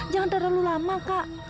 jangan terlalu lama kak